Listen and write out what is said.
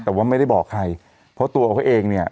แต่ว่าไม่ได้บอกใครเพราะตัวเขาเองเนี่ย